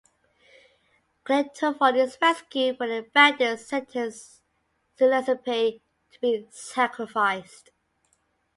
Clitophon is rescued, but the bandits sentence Leucippe to be sacrificed.